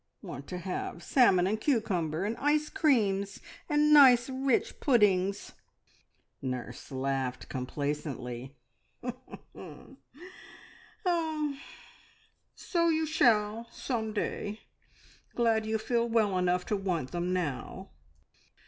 Want to have salmon and cucumber, and ice creams, and nice rich puddings." Nurse laughed complacently. "So you shall some day! Glad you feel well enough to want them now.